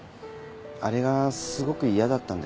あれがすごく嫌だったんだよね。